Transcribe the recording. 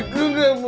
gue gak mau